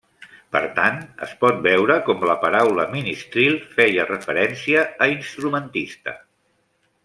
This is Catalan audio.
Per tant, es pot veure com la paraula ministril feia referència a instrumentista.